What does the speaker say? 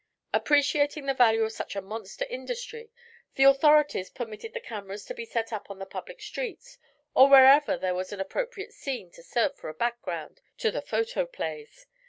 Appreciating the value of such a monster industry, the authorities permitted the cameras to be set up on the public streets or wherever there was an appropriate scene to serve for a background to the photo plays.